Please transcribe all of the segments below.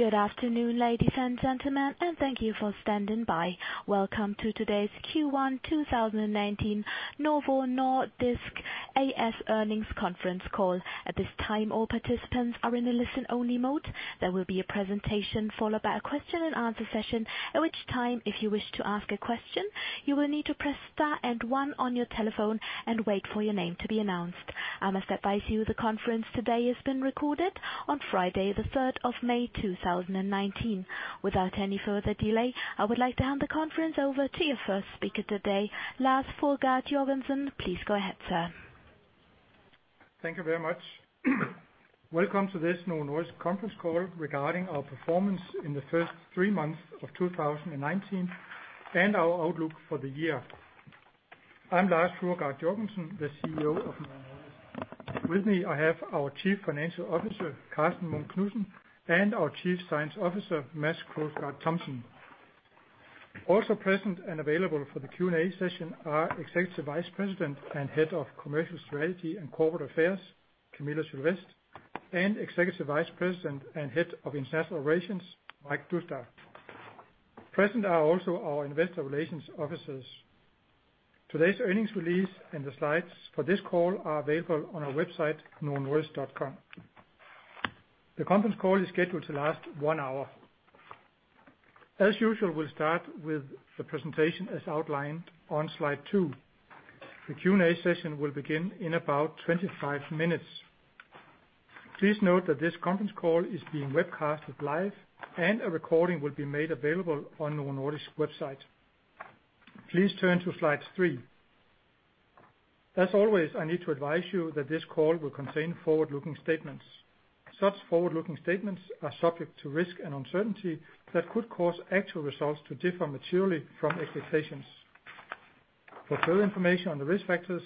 Good afternoon, ladies and gentlemen, and thank you for standing by. Welcome to today's Q1 2019 Novo Nordisk A/S earnings conference call. At this time, all participants are in a listen-only mode. There will be a presentation followed by a question and answer session, at which time, if you wish to ask a question, you will need to press star and one on your telephone and wait for your name to be announced. I must advise you the conference today is being recorded on Friday, the 3rd of May, 2019. Without any further delay, I would like to hand the conference over to your first speaker today, Lars Fruergaard Jørgensen. Please go ahead, sir. Thank you very much. Welcome to this Novo Nordisk conference call regarding our performance in the first three months of 2019 and our outlook for the year. I'm Lars Fruergaard Jørgensen, the CEO of Novo Nordisk. With me, I have our Chief Financial Officer, Karsten Munk Knudsen, and our Chief Science Officer, Mads Krogsgaard Thomsen. Also present and available for the Q&A session are Executive Vice President and Head of Commercial Strategy and Corporate Affairs, Camilla Sylvest, and Executive Vice President and Head of International Operations, Mike Doustdar. Present are also our investor relations officers. Today's earnings release and the slides for this call are available on our website, novonordisk.com. The conference call is scheduled to last one hour. As usual, we'll start with the presentation as outlined on slide two. The Q&A session will begin in about 25 minutes. Please note that this conference call is being webcast live, and a recording will be made available on Novo Nordisk's website. Please turn to slide three. As always, I need to advise you that this call will contain forward-looking statements. Such forward-looking statements are subject to risk and uncertainty that could cause actual results to differ materially from expectations. For further information on the risk factors,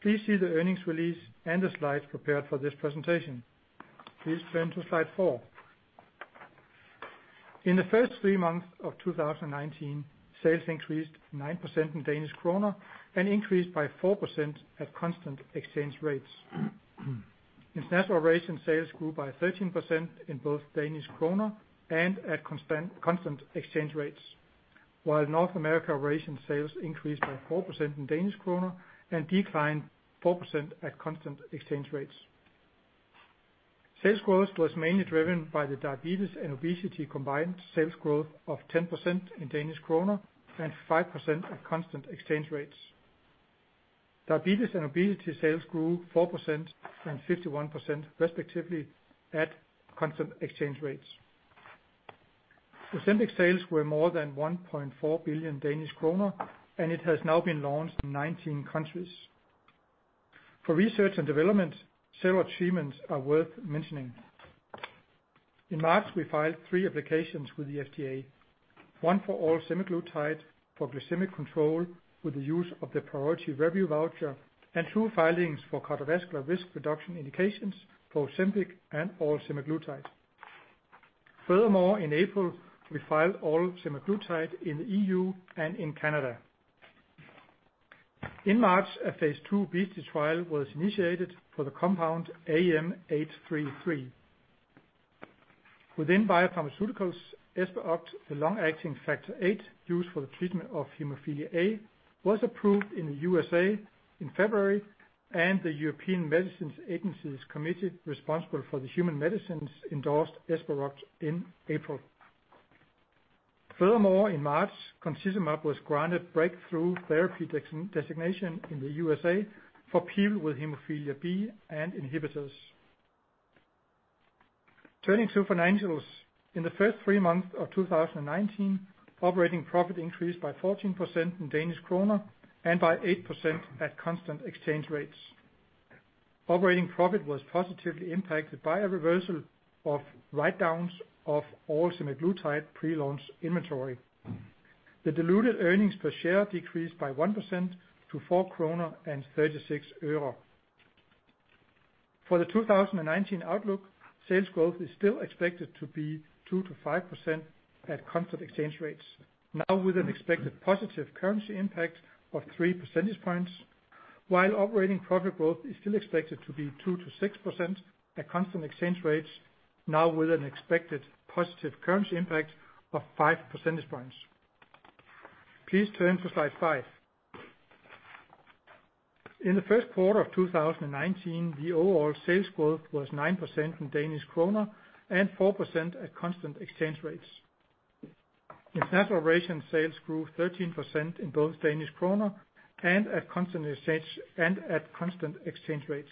please see the earnings release and the slides prepared for this presentation. Please turn to slide four. In the first three months of 2019, sales increased 9% in DKK and increased by 4% at constant exchange rates. International region sales grew by 13% in both DKK and at constant exchange rates, while North America region sales increased by 4% in DKK and declined 4% at constant exchange rates. Sales growth was mainly driven by the diabetes and obesity combined sales growth of 10% in DKK and 5% at constant exchange rates. Diabetes and obesity sales grew 4% and 51% respectively at constant exchange rates. Ozempic sales were more than 1.4 billion Danish kroner, and it has now been launched in 19 countries. For research and development, several achievements are worth mentioning. In March, we filed three applications with the FDA, one for oral semaglutide for glycemic control with the use of the priority review voucher and two filings for cardiovascular risk reduction indications for Ozempic and oral semaglutide. Furthermore, in April, we filed oral semaglutide in the EU and in Canada. In March, a phase II obesity trial was initiated for the compound AM833. Within Biopharmaceuticals, Esperoct, the long-acting factor VIII used for the treatment of hemophilia A, was approved in the U.S.A. in February, and the European Medicines Agency's committee responsible for the human medicines endorsed Esperoct in April. Furthermore, in March, concizumab was granted breakthrough therapy designation in the U.S.A. for people with hemophilia B and inhibitors. Turning to financials. In the first three months of 2019, operating profit increased by 14% in DKK and by 8% at constant exchange rates. Operating profit was positively impacted by a reversal of write-downs of all semaglutide pre-launch inventory. The diluted earnings per share decreased by 1% to DKK 4.36. For the 2019 outlook, sales growth is still expected to be 2%-5% at constant exchange rates, now with an expected positive currency impact of three percentage points, while operating profit growth is still expected to be 2%-6% at constant exchange rates, now with an expected positive currency impact of five percentage points. Please turn to slide five. In the first quarter of 2019, the overall sales growth was 9% in DKK and 4% at constant exchange rates. International region sales grew 13% in both DKK and at constant exchange rates,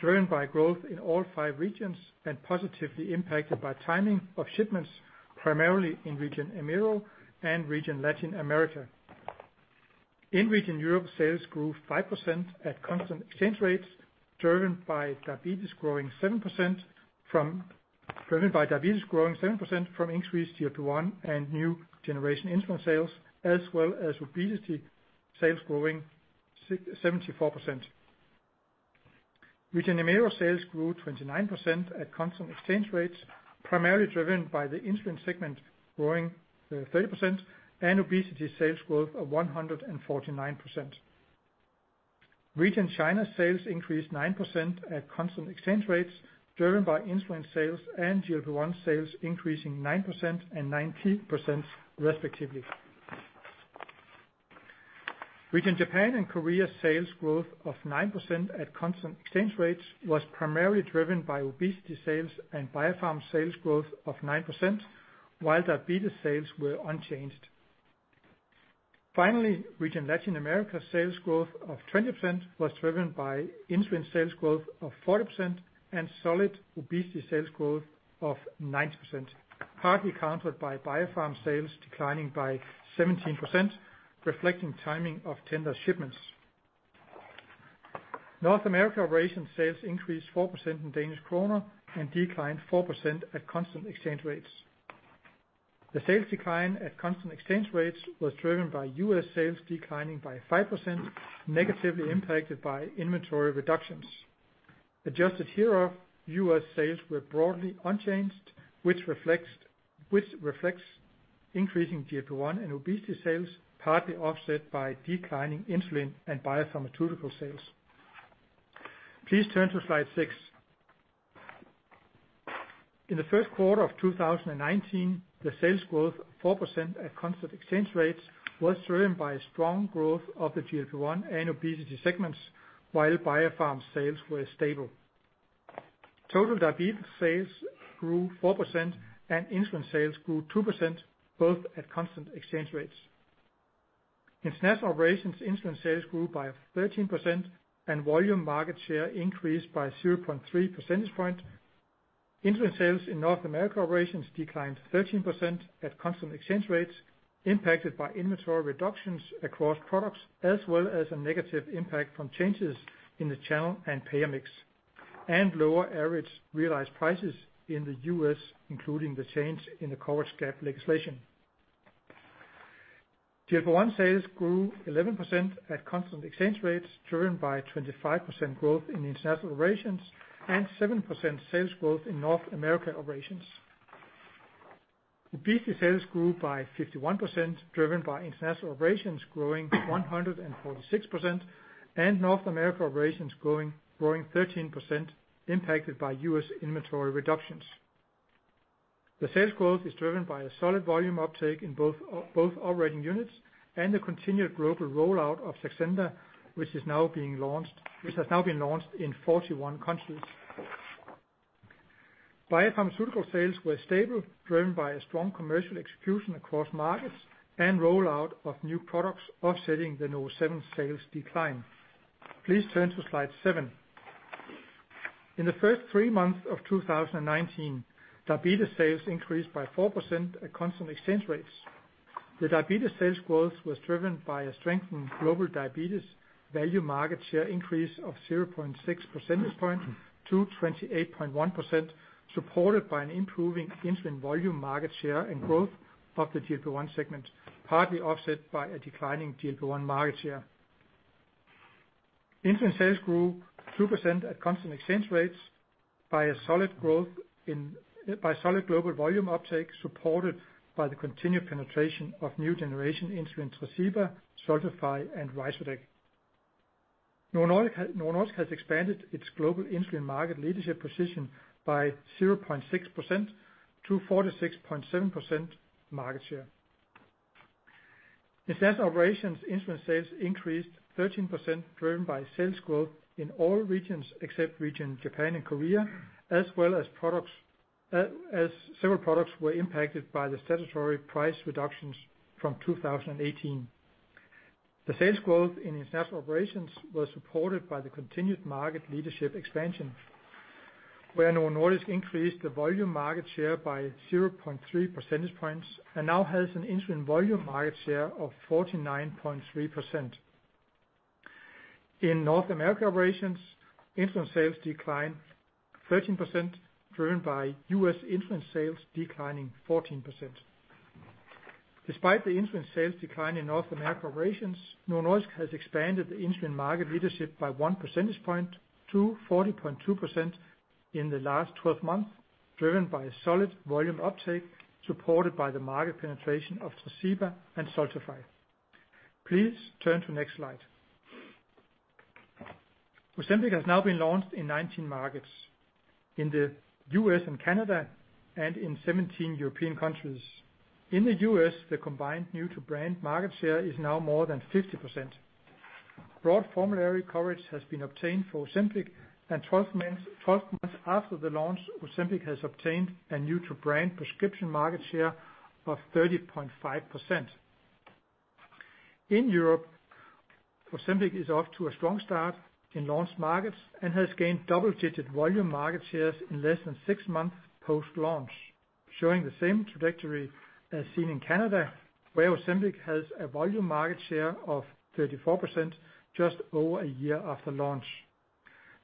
driven by growth in all five regions and positively impacted by timing of shipments, primarily in region EMEA and region Latin America. In region Europe, sales grew 5% at constant exchange rates, driven by diabetes growing 7% from increased GLP-1 and new generation insulin sales, as well as obesity sales growing 74%. Region EMEA sales grew 29% at constant exchange rates, primarily driven by the insulin segment growing 30% and obesity sales growth of 149%. Region China sales increased 9% at constant exchange rates, driven by insulin sales and GLP-1 sales increasing 9% and 19% respectively. Region Japan and Korea sales growth of 9% at constant exchange rates was primarily driven by obesity sales and biopharm sales growth of 9%, while diabetes sales were unchanged. Finally, region Latin America sales growth of 20% was driven by insulin sales growth of 40% and solid obesity sales growth of 9%, partly countered by biopharm sales declining by 17%, reflecting timing of tender shipments. North America Operations sales increased 4% in DKK and declined 4% at constant exchange rates. The sales decline at constant exchange rates was driven by U.S. sales declining by 5%, negatively impacted by inventory reductions. Adjusted hereof, U.S. sales were broadly unchanged, which reflects increasing GLP-1 and obesity sales, partly offset by declining insulin and biopharmaceutical sales. Please turn to slide six. In the first quarter of 2019, the sales growth 4% at constant exchange rates was driven by strong growth of the GLP-1 and obesity segments, while biopharm sales were stable. Total diabetes sales grew 4% and insulin sales grew 2%, both at constant exchange rates. International Operations insulin sales grew by 13% and volume market share increased by 0.3 percentage point. Insulin sales in North America Operations declined 13% at constant exchange rates, impacted by inventory reductions across products, as well as a negative impact from changes in the channel and payer mix, and lower average realized prices in the U.S., including the change in the coverage gap legislation. GLP-1 sales grew 11% at constant exchange rates, driven by 25% growth in International Operations and 7% sales growth in North America Operations. Obesity sales grew by 51%, driven by International Operations growing 146% and North America Operations growing 13%, impacted by U.S. inventory reductions. The sales growth is driven by a solid volume uptake in both operating units and the continued global rollout of Saxenda, which has now been launched in 41 countries. Biopharmaceutical sales were stable, driven by a strong commercial execution across markets and rollout of new products offsetting the NovoSeven sales decline. Please turn to slide seven. In the first three months of 2019, diabetes sales increased by 4% at constant exchange rates. The diabetes sales growth was driven by a strengthened global diabetes value market share increase of 0.6 percentage point to 28.1%, supported by an improving insulin volume market share and growth of the GLP-1 segment, partly offset by a declining GLP-1 market share. Insulin sales grew 2% at constant exchange rates by solid global volume uptake, supported by the continued penetration of new generation insulin Tresiba, Soliqua, and Ryzodeg. Novo Nordisk has expanded its global insulin market leadership position by 0.6% to 46.7% market share. International Operations insulin sales increased 13%, driven by sales growth in all regions except region Japan and Korea, as well as several products were impacted by the statutory price reductions from 2018. The sales growth in International Operations was supported by the continued market leadership expansion, where Novo Nordisk increased the volume market share by 0.3 percentage points and now has an insulin volume market share of 49.3%. In North America Operations, insulin sales declined 13%, driven by U.S. insulin sales declining 14%. Despite the insulin sales decline in North America Operations, Novo Nordisk has expanded the insulin market leadership by one percentage point to 40.2% in the last 12 months, driven by solid volume uptake supported by the market penetration of Tresiba and Soliqua. Please turn to next slide. Ozempic has now been launched in 19 markets, in the U.S. and Canada, and in 17 European countries. In the U.S., the combined new to brand market share is now more than 50%. Broad formulary coverage has been obtained for Ozempic. 12 months after the launch, Ozempic has obtained a new to brand prescription market share of 30.5%. In Europe, Ozempic is off to a strong start in launched markets and has gained double-digit volume market shares in less than six months post-launch, showing the same trajectory as seen in Canada, where Ozempic has a volume market share of 34% just over a year after launch.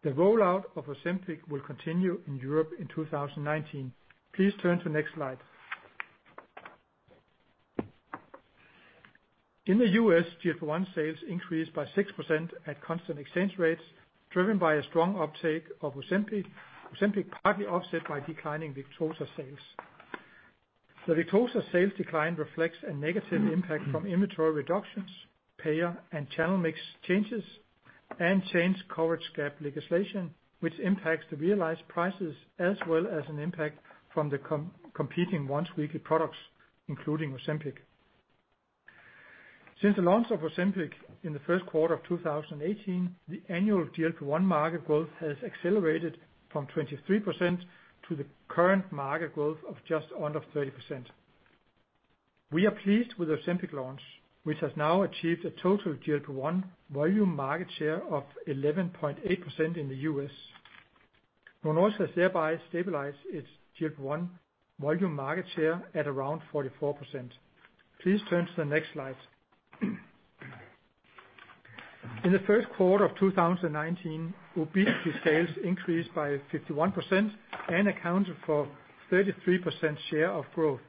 The rollout of Ozempic will continue in Europe in 2019. Please turn to next slide. In the U.S., GLP-1 sales increased by 6% at constant exchange rates, driven by a strong uptake of Ozempic, partly offset by declining Victoza sales. The Victoza sales decline reflects a negative impact from inventory reductions, payer and channel mix changes, and changed coverage gap legislation, which impacts the realized prices as well as an impact from the competing once-weekly products, including Ozempic. Since the launch of Ozempic in the first quarter of 2018, the annual GLP-1 market growth has accelerated from 23% to the current market growth of just under 30%. We are pleased with Ozempic launch, which has now achieved a total GLP-1 volume market share of 11.8% in the U.S. Novo Nordisk has thereby stabilized its GLP-1 volume market share at around 44%. Please turn to the next slide. In the first quarter of 2019, obesity sales increased by 51% and accounted for 33% share of growth.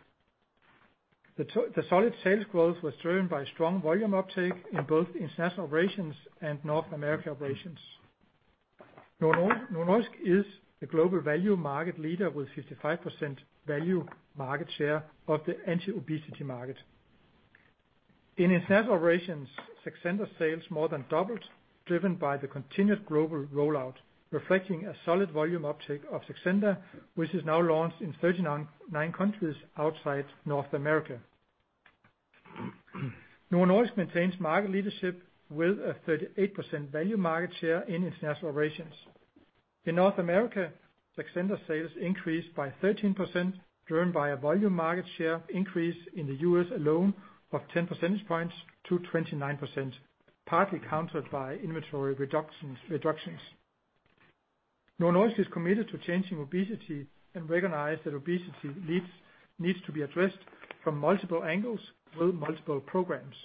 The solid sales growth was driven by strong volume uptake in both International Operations and North America Operations. Novo Nordisk is the global value market leader with 55% value market share of the anti-obesity market. In International Operations, Saxenda sales more than doubled, driven by the continued global rollout, reflecting a solid volume uptake of Saxenda, which is now launched in 39 countries outside North America. Novo Nordisk maintains market leadership with a 38% value market share in International Operations. In North America, Saxenda sales increased by 13%, driven by a volume market share increase in the U.S. alone of 10 percentage points to 29%, partly countered by inventory reductions. Novo Nordisk is committed to changing obesity and recognize that obesity needs to be addressed from multiple angles with multiple programs.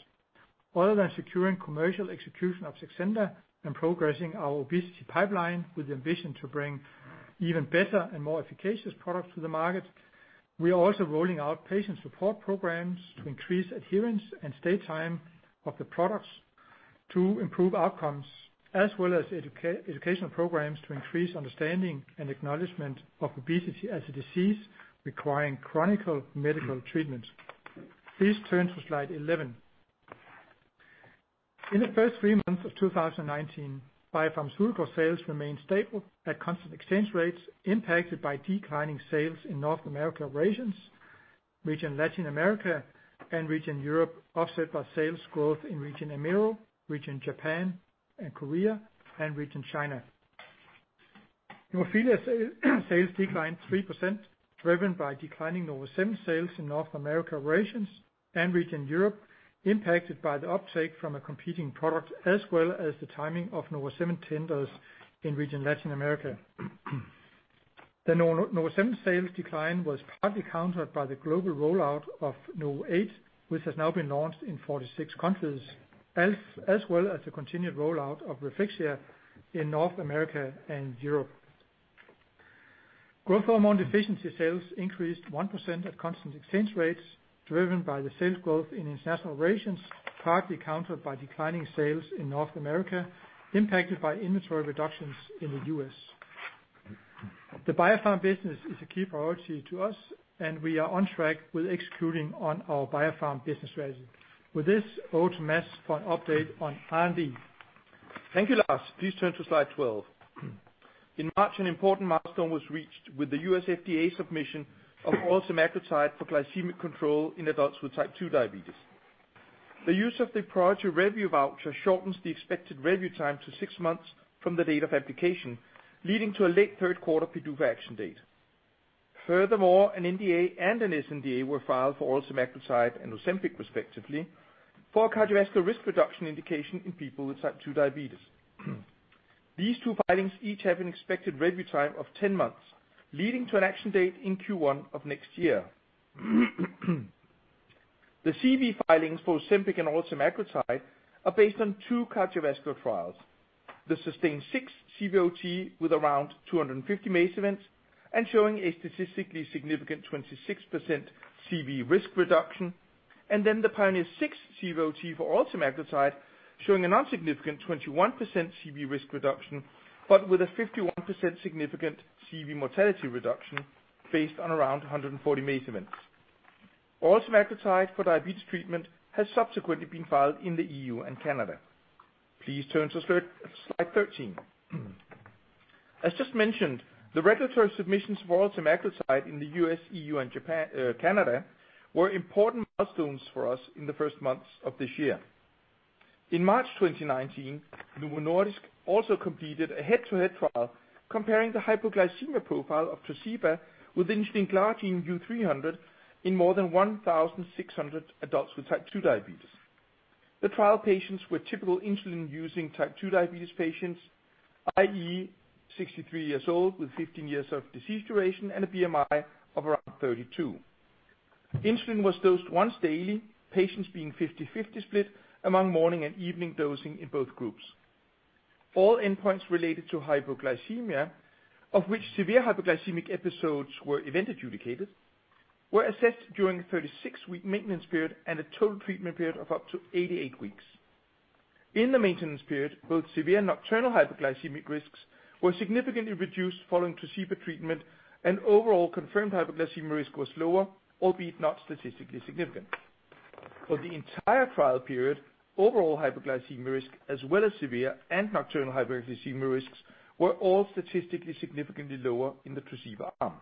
Other than securing commercial execution of Saxenda and progressing our obesity pipeline with the ambition to bring even better and more efficacious products to the market, we are also rolling out patient support programs to increase adherence and stay time of the products to improve outcomes, as well as educational programs to increase understanding and acknowledgement of obesity as a disease requiring chronic medical treatment. Please turn to slide 11. In the first three months of 2019, biopharmaceutical sales remained stable at constant exchange rates impacted by declining sales in North America Operations, region Latin America, and region Europe, offset by sales growth in region EMEA, region Japan and Korea, and region China. Hemophilia sales declined 3%, driven by declining NovoSeven sales in North America Operations and region Europe, impacted by the uptake from a competing product, as well as the timing of NovoSeven tenders in region Latin America. The NovoSeven sales decline was partly countered by the global rollout of NovoEight, which has now been launched in 46 countries, as well as the continued rollout of Refixia in North America and Europe. Growth hormone deficiency sales increased 1% at constant exchange rates driven by the sales growth in International Operations, partly countered by declining sales in North America, impacted by inventory reductions in the U.S. The biopharm business is a key priority to us, and we are on track with executing on our biopharm business strategy. With this, over to Mads for an update on R&D. Thank you, Lars. Please turn to slide 12. In March, an important milestone was reached with the U.S. FDA submission of oral semaglutide for glycemic control in adults with type 2 diabetes. The use of the priority review voucher shortens the expected review time to six months from the date of application, leading to a late third quarter PDUFA action date. Furthermore, an NDA and an NDA were filed for oral semaglutide and Ozempic respectively, for cardiovascular risk reduction indication in people with type 2 diabetes. These two filings each have an expected review time of 10 months, leading to an action date in Q1 of next year. The CV filings for Ozempic and oral semaglutide are based on two cardiovascular trials. The SUSTAIN 6 CVOT with around 250 MACE events and showing a statistically significant 26% CV risk reduction. The PIONEER 6 CVOT for oral semaglutide showing a non-significant 21% CV risk reduction, but with a 51% significant CV mortality reduction based on around 140 MACE events. Oral semaglutide for diabetes treatment has subsequently been filed in the EU and Canada. Please turn to slide 13. As just mentioned, the regulatory submissions for oral semaglutide in the U.S., EU, and Canada were important milestones for us in the first months of this year. In March 2019, Novo Nordisk also completed a head-to-head trial comparing the hypoglycemia profile of Tresiba with insulin glargine U-300 in more than 1,600 adults with type 2 diabetes. The trial patients were typical insulin-using type 2 diabetes patients, i.e., 63 years old with 15 years of disease duration and a BMI of around 32. Insulin was dosed once daily, patients being 50/50 split among morning and evening dosing in both groups. All endpoints related to hypoglycemia, of which severe hypoglycemic episodes were event adjudicated, were assessed during a 36-week maintenance period and a total treatment period of up to 88 weeks. In the maintenance period, both severe nocturnal hypoglycemic risks were significantly reduced following Tresiba treatment, and overall confirmed hypoglycemia risk was lower, albeit not statistically significant. For the entire trial period, overall hypoglycemia risk, as well as severe and nocturnal hypoglycemia risks, were all statistically significantly lower in the Tresiba arm.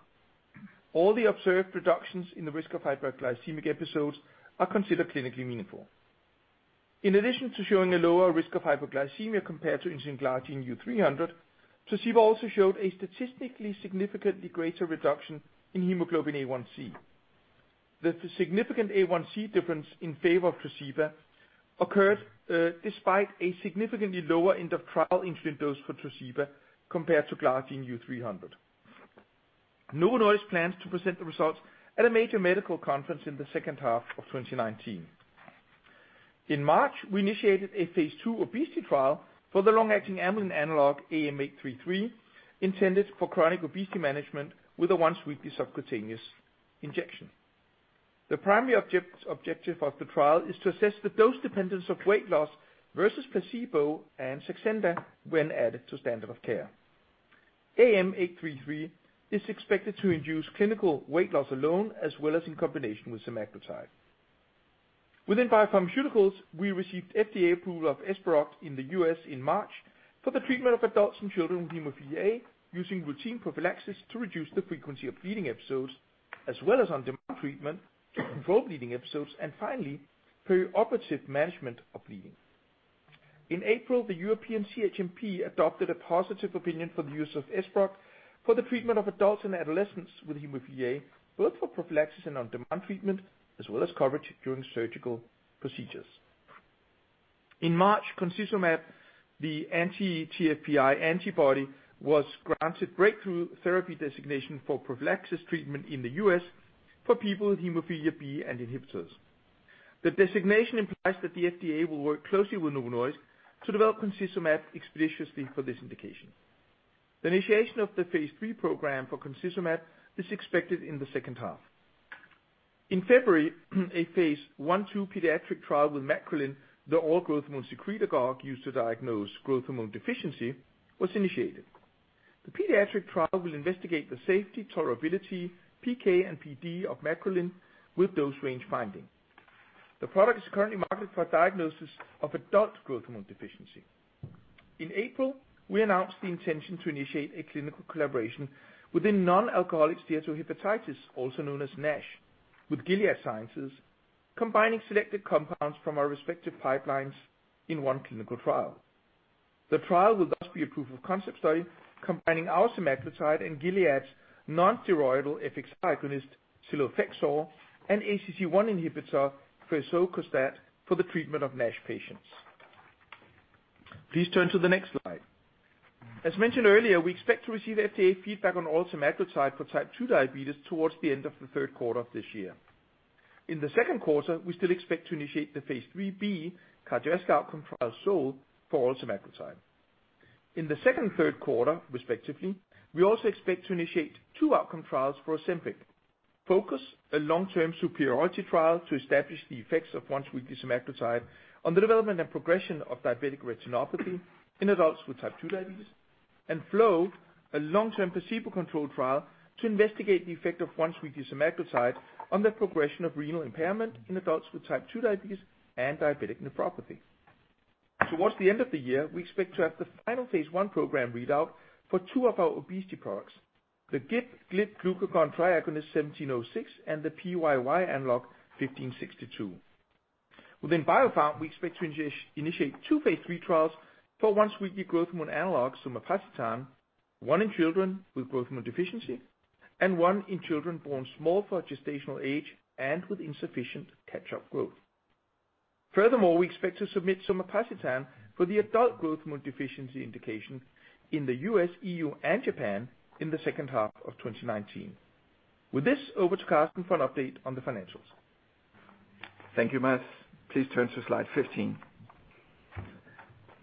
All the observed reductions in the risk of hypoglycemic episodes are considered clinically meaningful. In addition to showing a lower risk of hypoglycemia compared to insulin glargine U-300, Tresiba also showed a statistically significantly greater reduction in hemoglobin A1C. The significant A1C difference in favor of Tresiba occurred despite a significantly lower end of trial insulin dose for Tresiba compared to glargine U-300. Novo Nordisk plans to present the results at a major medical conference in the second half of 2019. In March, we initiated a phase II obesity trial for the long-acting amylin analog AM833, intended for chronic obesity management with a once-weekly subcutaneous injection. The primary objective of the trial is to assess the dose dependence of weight loss versus placebo and Saxenda when added to standard of care. AM833 is expected to induce clinical weight loss alone, as well as in combination with semaglutide. Within biopharmaceuticals, we received FDA approval of Esperoct in the U.S. in March for the treatment of adults and children with hemophilia A, using routine prophylaxis to reduce the frequency of bleeding episodes, as well as on-demand treatment to control bleeding episodes, and finally, preoperative management of bleeding. In April, the European CHMP adopted a positive opinion for the use of Esperoct for the treatment of adults and adolescents with hemophilia A, both for prophylaxis and on-demand treatment, as well as coverage during surgical procedures. In March, concizumab, the anti-TFPI antibody, was granted breakthrough therapy designation for prophylaxis treatment in the U.S. for people with hemophilia B and inhibitors. The designation implies that the FDA will work closely with Novo Nordisk to develop concizumab expeditiously for this indication. The initiation of the phase III program for concizumab is expected in the second half. In February, a phase I-II pediatric trial with Macrilen, the oral growth hormone secretagogue used to diagnose growth hormone deficiency, was initiated. The pediatric trial will investigate the safety, tolerability, PK, and PD of Macrilen with those range finding. The product is currently marketed for diagnosis of adult growth hormone deficiency. In April, we announced the intention to initiate a clinical collaboration with a non-alcoholic steatohepatitis, also known as NASH, with Gilead Sciences, combining selected compounds from our respective pipelines in one clinical trial. The trial will thus be a proof of concept study combining our semaglutide and Gilead's non-steroidal FXR agonist, cilofexor, and ACC1 inhibitor, firsocostat, for the treatment of NASH patients. Please turn to the next slide. As mentioned earlier, we expect to receive FDA feedback on oral semaglutide for type 2 diabetes towards the end of the third quarter of this year. In the second quarter, we still expect to initiate the phase IIIb cardiovascular outcome trial, SOUL, for oral semaglutide. In the second and third quarter, respectively, we also expect to initiate two outcome trials for Ozempic. FOCUS, a long-term superiority trial to establish the effects of once-weekly semaglutide on the development and progression of diabetic retinopathy in adults with type 2 diabetes, and FLOW, a long-term placebo-controlled trial to investigate the effect of once-weekly semaglutide on the progression of renal impairment in adults with type 2 diabetes and diabetic nephropathy. Towards the end of the year, we expect to have the final phase I program readout for two of our obesity products, the GLP-1/GIP/glucagon triagonist NN1706 and the PYY analog NNC0165-1562. Within Biopharm, we expect to initiate two phase III trials for once-weekly growth hormone analog, somapacitan, one in children with growth hormone deficiency and one in children born small for gestational age and with insufficient catch-up growth. Furthermore, we expect to submit somapacitan for the adult growth hormone deficiency indication in the U.S., EU, and Japan in the second half of 2019. With this, over to Karsten for an update on the financials. Thank you, Mads. Please turn to slide 15.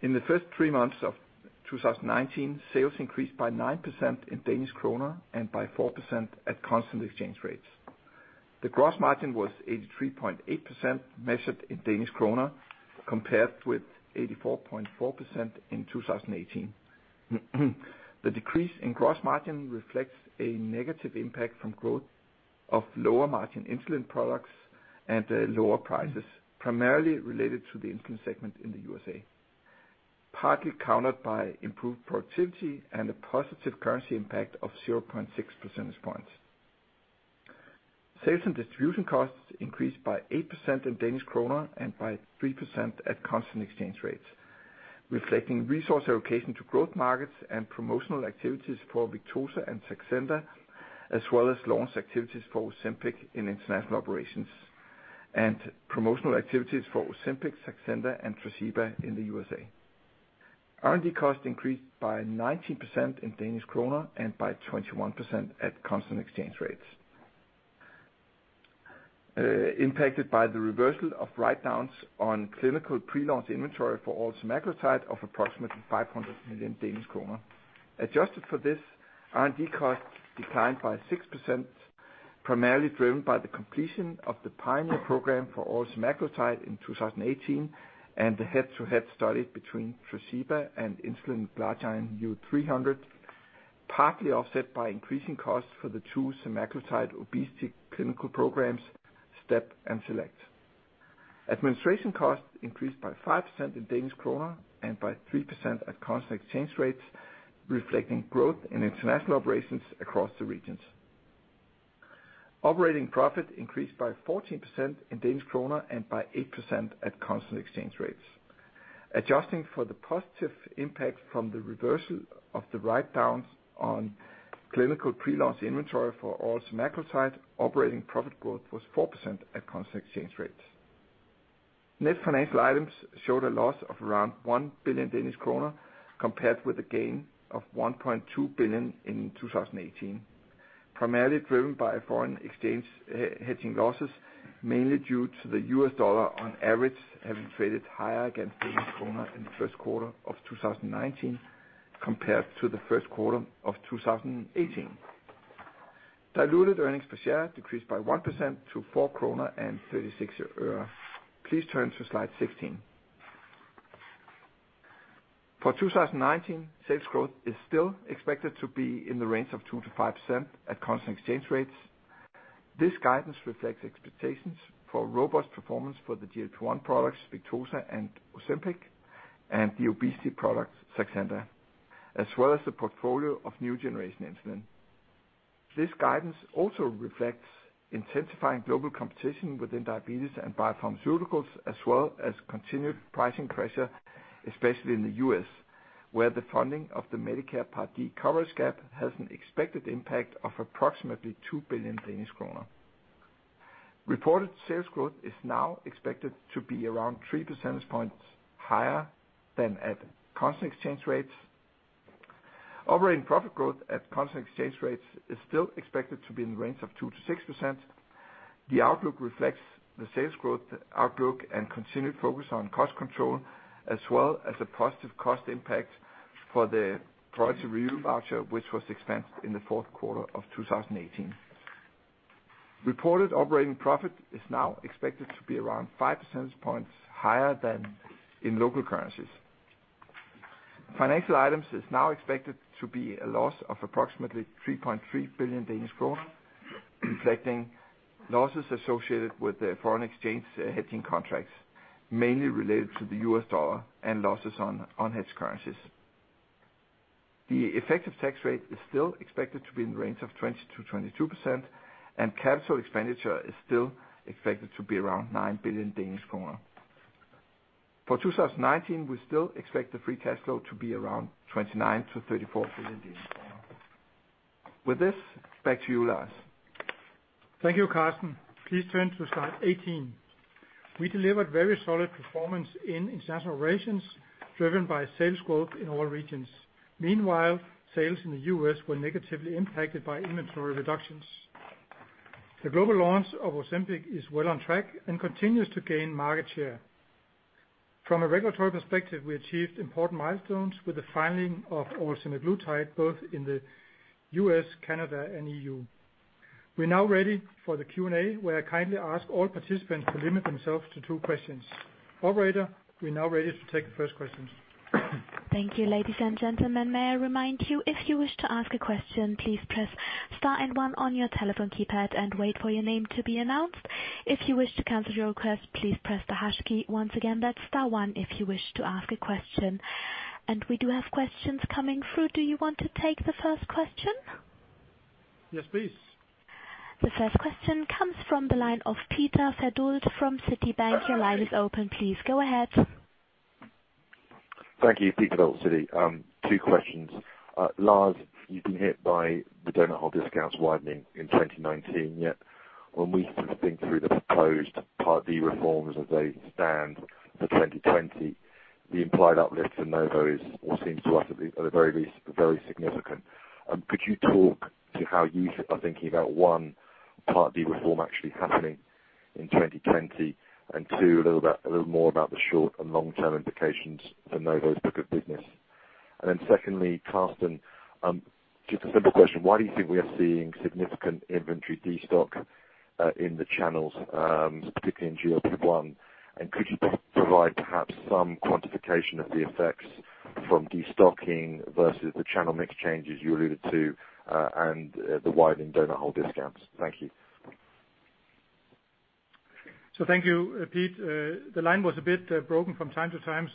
In the first three months of 2019, sales increased by 9% in DKK and by 4% at constant exchange rates. The gross margin was 83.8% measured in DKK, compared with 84.4% in 2018. The decrease in gross margin reflects a negative impact from growth of lower margin insulin products and lower prices, primarily related to the insulin segment in the USA, partly countered by improved productivity and a positive currency impact of 0.6 percentage points. Sales and distribution costs increased by 8% in DKK and by 3% at constant exchange rates, reflecting resource allocation to growth markets and promotional activities for Victoza and Saxenda, as well as launch activities for Ozempic in International Operations and promotional activities for Ozempic, Saxenda and Tresiba in the USA. R&D costs increased by 19% in DKK and by 21% at constant exchange rates, impacted by the reversal of write-downs on clinical pre-launch inventory for oral semaglutide of approximately 500 million Danish kroner. Adjusted for this, R&D costs declined by 6%. Primarily driven by the completion of the PIONEER 6 program for oral semaglutide in 2018, and the head-to-head study between Tresiba and insulin glargine U-300, partly offset by increasing costs for the two semaglutide obesity clinical programs, STEP and SELECT. Administration costs increased by 5% in DKK and by 3% at constant exchange rates, reflecting growth in International Operations across the regions. Operating profit increased by 14% in DKK and by 8% at constant exchange rates. Adjusting for the positive impact from the reversal of the write-downs on clinical pre-launch inventory for oral semaglutide, operating profit growth was 4% at constant exchange rates. Net financial items showed a loss of around 1 billion Danish kroner, compared with a gain of 1.2 billion in 2018. Primarily driven by foreign exchange hedging losses, mainly due to the U.S. dollar, on average, having traded higher against DKK in the first quarter of 2019 compared to the first quarter of 2018. Diluted earnings per share decreased by 1% to DKK 4.36. Please turn to slide 16. For 2019, sales growth is still expected to be in the range of 2%-5% at constant exchange rates. This guidance reflects expectations for robust performance for the GLP-1 products, Victoza and Ozempic, and the obesity product Saxenda, as well as the portfolio of new generation insulin. This guidance also reflects intensifying global competition within diabetes and biopharmaceuticals, as well as continued pricing pressure, especially in the U.S., where the funding of the Medicare Part D coverage gap has an expected impact of approximately 2 billion Danish kroner. Reported sales growth is now expected to be around three percentage points higher than at constant exchange rates. Operating profit growth at constant exchange rates is still expected to be in the range of 2%-6%. The outlook reflects the sales growth outlook and continued focus on cost control, as well as a positive cost impact for the priority review voucher, which was expensed in the fourth quarter of 2018. Reported operating profit is now expected to be around five percentage points higher than in local currencies. Financial items is now expected to be a loss of approximately 3.3 billion Danish kroner, reflecting losses associated with the foreign exchange hedging contracts, mainly related to the US dollar and losses on hedged currencies. The effective tax rate is still expected to be in the range of 20%-22%, and capital expenditure is still expected to be around 9 billion Danish kroner. For 2019, we still expect the free cash flow to be around 29 billion-34 billion Danish kroner. With this, back to you, Lars. Thank you, Karsten. Please turn to slide 18. We delivered very solid performance in international operations driven by sales growth in all regions. Meanwhile, sales in the U.S. were negatively impacted by inventory reductions. The global launch of Ozempic is well on track and continues to gain market share. From a regulatory perspective, we achieved important milestones with the filing of oral semaglutide, both in the U.S., Canada, and EU. We're now ready for the Q&A, where I kindly ask all participants to limit themselves to two questions. Operator, we're now ready to take the first questions. Thank you, ladies and gentlemen. May I remind you, if you wish to ask a question, please press star and one on your telephone keypad and wait for your name to be announced. If you wish to cancel your request, please press the hash key. Once again, that's star one if you wish to ask a question. We do have questions coming through. Do you want to take the first question? Yes, please. The first question comes from the line of Peter Verdult from Citibank. Your line is open. Please go ahead. Thank you. Pete Verdult, Citi. Two questions. Lars, you've been hit by the donut hole discounts widening in 2019, yet when we think through the proposed Part D reforms as they stand for 2020, the implied uplifts in Novo all seem to us at the very least, very significant. Could you talk to how you are thinking about one, Part D reform actually happening in 2020? Two, a little more about the short and long-term implications for Novo's book of business. Secondly, Karsten, just a simple question. Why do you think we are seeing significant inventory destock in the channels, particularly in GLP-1? Could you provide perhaps some quantification of the effects from destocking versus the channel mix changes you alluded to, and the widening donut hole discounts? Thank you. Thank you, Pete. The line was a bit broken from time to time,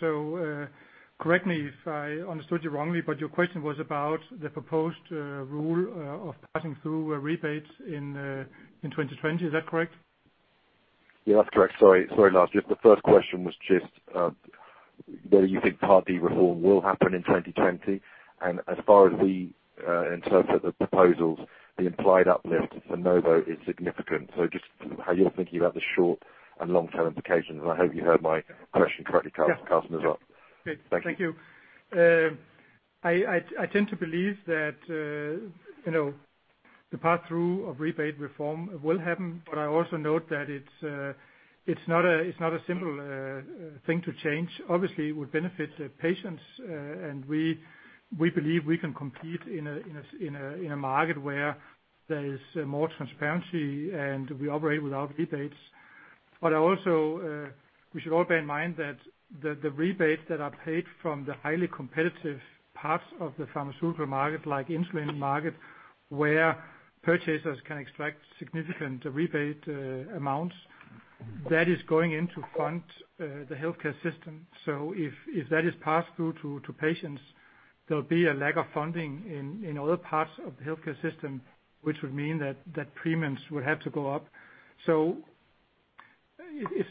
correct me if I understood you wrongly, but your question was about the proposed rule of passing through rebates in 2020. Is that correct? Yeah, that's correct. Sorry, Lars. The first question was just whether you think Part D reform will happen in 2020. As far as we interpret the proposals, the implied uplift for Novo is significant. Just how you're thinking about the short and long-term implications, and I hope you heard my question correctly, Karsten. As well. Yeah. Thank you. Thank you. I tend to believe that the pass-through of rebate reform will happen, but I also note that it's not a simple thing to change. Obviously, it would benefit the patients, and we believe we can compete in a market where there is more transparency and we operate without rebates. Also, we should all bear in mind that the rebates that are paid from the highly competitive parts of the pharmaceutical market, like insulin market, where purchasers can extract significant rebate amounts, that is going in to fund the healthcare system. If that is passed through to patients, there'll be a lack of funding in other parts of the healthcare system, which would mean that premiums would have to go up. It's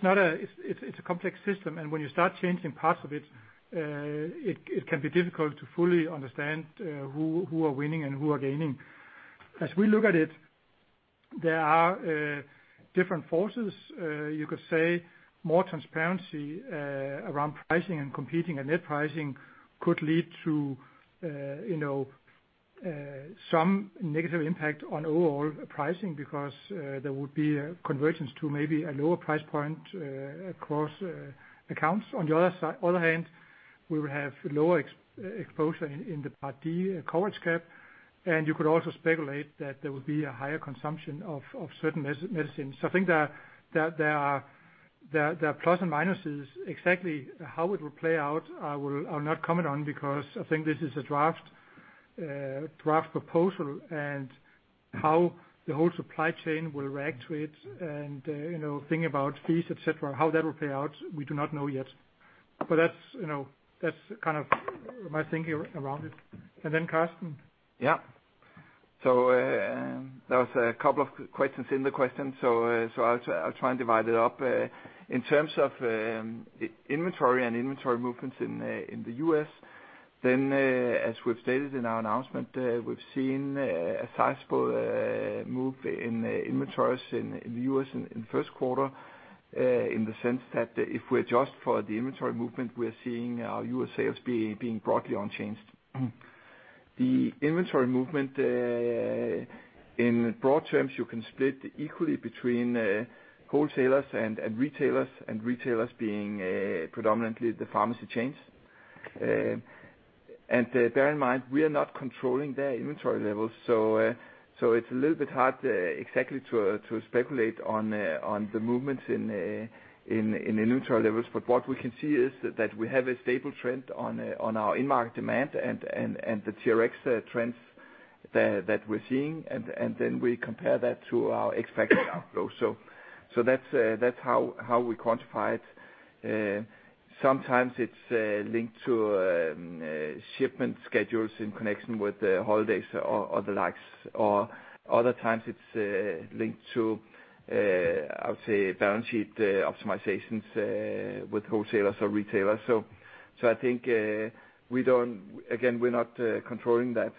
a complex system, and when you start changing parts of it can be difficult to fully understand who are winning and who are gaining. As we look at it, there are different forces. You could say more transparency around pricing and competing at net pricing could lead to some negative impact on overall pricing because there would be a convergence to maybe a lower price point across accounts. On the other hand, we would have lower exposure in the Part D coverage gap, and you could also speculate that there would be a higher consumption of certain medicines. I think there are plus and minuses. Exactly how it will play out, I will not comment on because I think this is a draft proposal, and how the whole supply chain will react to it and think about fees, et cetera, how that will play out, we do not know yet. That's kind of my thinking around it. Then Karsten. Yeah. There was a couple of questions in the question. I'll try and divide it up. In terms of inventory and inventory movements in the U.S., then as we've stated in our announcement, we've seen a sizable move in inventories in the U.S. in the first quarter, in the sense that if we adjust for the inventory movement, we're seeing our U.S. sales being broadly unchanged. The inventory movement, in broad terms, you can split equally between wholesalers and retailers, and retailers being predominantly the pharmacy chains. Bear in mind, we are not controlling their inventory levels. It's a little bit hard exactly to speculate on the movements in the inventory levels. What we can see is that we have a stable trend on our in-market demand and the TRX trends that we're seeing, and then we compare that to our expected outflow. That's how we quantify it. Sometimes it's linked to shipment schedules in connection with the holidays or the likes, or other times it's linked to, I would say, balance sheet optimizations with wholesalers or retailers. I think, again, we're not controlling that.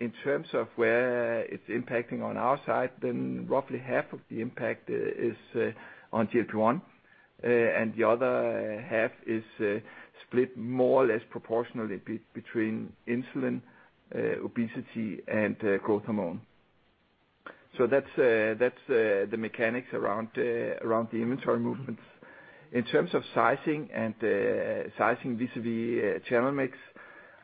In terms of where it's impacting on our side, then roughly half of the impact is on GLP-1, and the other half is split more or less proportionally between insulin, obesity, and growth hormone. That's the mechanics around the inventory movements. In terms of sizing and sizing vis-a-vis channel mix,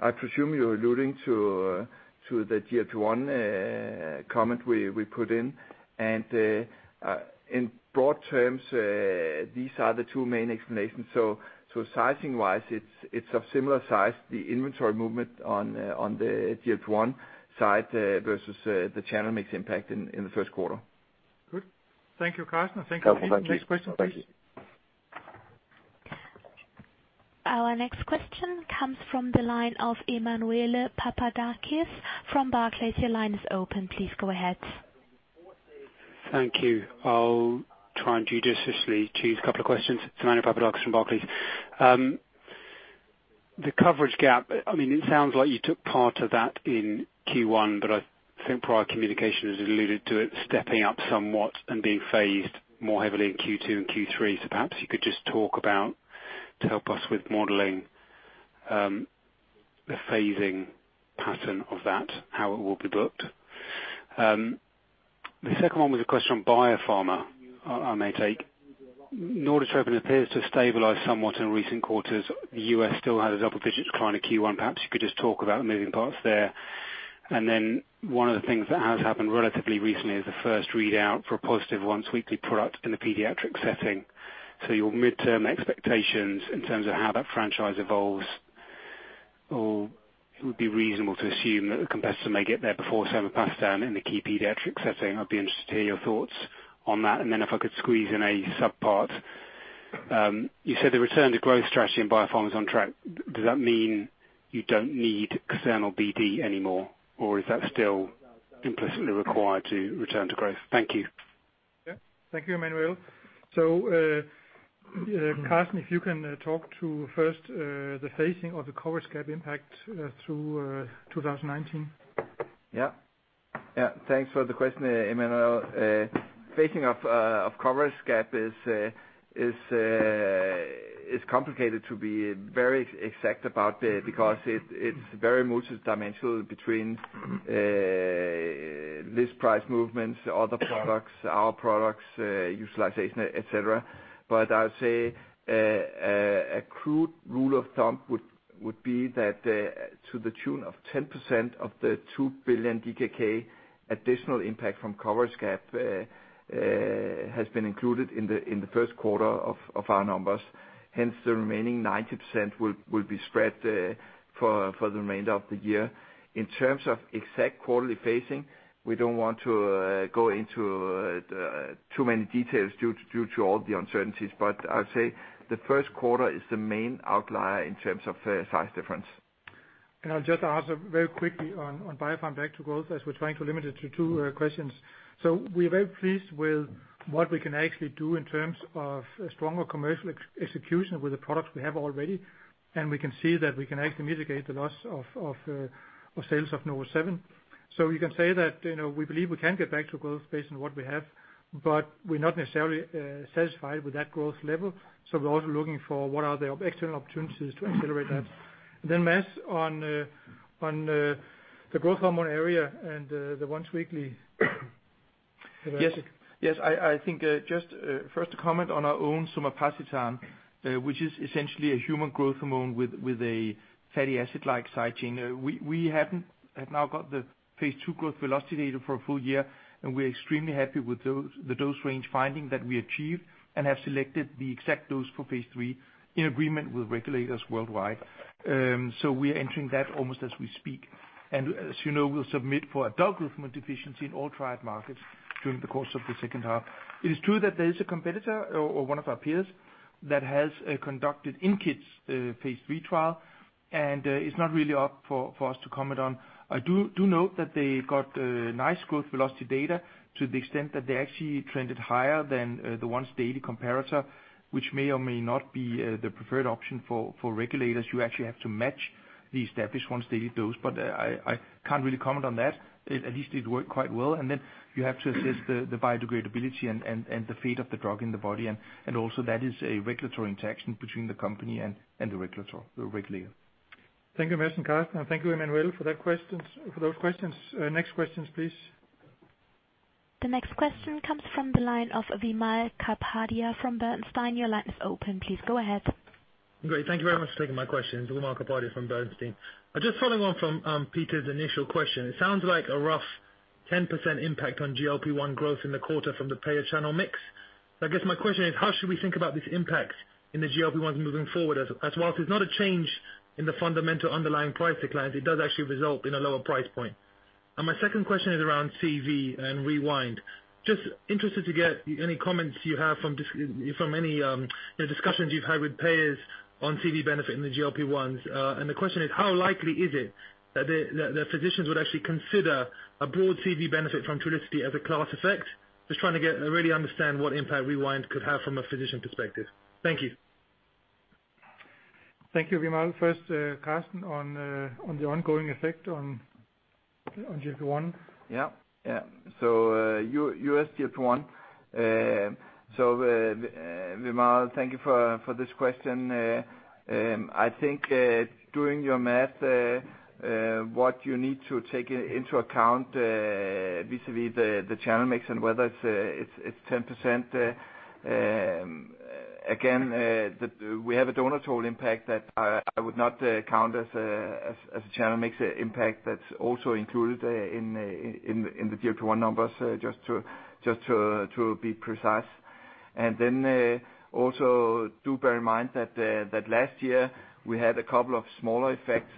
I presume you're alluding to the GLP-1 comment we put in. In broad terms, these are the two main explanations. Sizing-wise, it's of similar size, the inventory movement on the GLP-1 side versus the channel mix impact in the first quarter. Good. Thank you, Karsten. Okay. Thank you. Next question, please. Our next question comes from the line of Emmanuel Papadakis from Barclays. Your line is open. Please go ahead. Thank you. I'll try and judiciously choose a couple of questions. It's Emmanuel Papadakis from Barclays. The coverage gap, it sounds like you took part of that in Q1, but I think prior communication has alluded to it stepping up somewhat and being phased more heavily in Q2 and Q3. Perhaps you could just talk about, to help us with modeling, the phasing pattern of that, how it will be booked. The second one was a question on biopharma I may take. Norditropin appears to have stabilized somewhat in recent quarters. The U.S. still had a double-digit decline in Q1. Perhaps you could just talk about moving parts there. One of the things that has happened relatively recently is the first readout for a positive once-weekly product in the pediatric setting. Your midterm expectations in terms of how that franchise evolves, or it would be reasonable to assume that the competitor may get there before semaglutide in the key pediatric setting. I'd be interested to hear your thoughts on that. If I could squeeze in a sub-part. You said the return to growth strategy in biopharma is on track. Does that mean you don't need external BD anymore, or is that still implicitly required to return to growth? Thank you. Yeah. Thank you, Emmanuel. Karsten, if you can talk to first, the phasing of the coverage gap impact through 2019. Yeah. Thanks for the question, Emmanuel. Phasing of coverage gap is complicated to be very exact about because it's very multidimensional between. List price movements, other products, our products, utilization, etc. I would say a crude rule of thumb would be that to the tune of 10% of the 2 billion DKK additional impact from coverage gap has been included in the first quarter of our numbers. The remaining 90% will be spread for the remainder of the year. In terms of exact quarterly phasing, we don't want to go into too many details due to all the uncertainties, I'll say the first quarter is the main outlier in terms of size difference. I'll just answer very quickly on Biopharm back to growth as we're trying to limit it to two questions. We are very pleased with what we can actually do in terms of stronger commercial execution with the products we have already, and we can see that we can actually mitigate the loss of sales of NovoSeven. We can say that we believe we can get back to growth based on what we have, but we're not necessarily satisfied with that growth level. We're also looking for what are the external opportunities to accelerate that. Mads, on the growth hormone area and the once-weekly. Yes. I think just first to comment on our own somapacitan, which is essentially a human growth hormone with a fatty acid-like site chain. We have now got the phase II growth velocity data for a full year, and we're extremely happy with the dose range finding that we achieved and have selected the exact dose for phase III in agreement with regulators worldwide. We are entering that almost as we speak. As you know, we'll submit for adult growth deficiency in all triad markets during the course of the second half. It is true that there is a competitor or one of our peers that has conducted in kids phase III trial, it's not really up for us to comment on. I do note that they got nice growth velocity data to the extent that they actually trended higher than the once-daily comparator, which may or may not be the preferred option for regulators who actually have to match the established once-daily dose. I can't really comment on that. At least it worked quite well. You have to assess the biodegradability and the fate of the drug in the body, and also that is a regulatory interaction between the company and the regulator. Thank you, Mads and Karsten, thank you, Emmanuel, for those questions. Next questions, please. The next question comes from the line of Wimal Kapadia from Bernstein. Your line is open. Please go ahead. Great. Thank you very much for taking my question. Wimal Kapadia from Bernstein. Just following on from Pete's initial question, it sounds like a rough 10% impact on GLP-1 growth in the quarter from the payer channel mix. I guess my question is, how should we think about these impacts in the GLP-1s moving forward, as whilst it's not a change in the fundamental underlying price declines, it does actually result in a lower price point. My second question is around CV and REWIND. Just interested to get any comments you have from any discussions you've had with payers on CV benefit in the GLP-1s. The question is, how likely is it that the physicians would actually consider a broad CV benefit from Trulicity as a class effect? Just trying to really understand what impact REWIND could have from a physician perspective. Thank you. Thank you, Wimal. First, Karsten, on the ongoing effect on GLP-1. Yeah. U.S. GLP-1. Wimal, thank you for this question. I think doing your math, what you need to take into account vis-a-vis the channel mix and whether it's 10%, again, we have a donut hole impact that I would not count as a channel mix impact that's also included in the GLP-1 numbers, just to be precise. Also do bear in mind that last year we had a couple of smaller effects